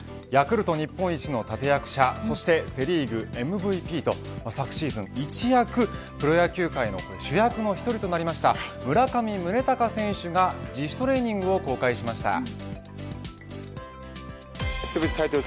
ヤクルト日本一の立役者そしてセ・リーグＭＶＰと昨シーズン、一躍プロ野球界の主役の１人となりました村上宗隆選手が自主トレーニングを公開しました。